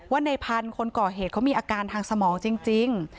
ในพันธุ์คนก่อเหตุเขามีอาการทางสมองจริง